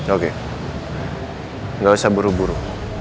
oke nggak usah buru buru